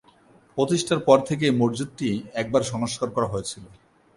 প্রতিষ্ঠার পর থেকে এই মসজিদটি একবার সংস্কার করা হয়েছিল।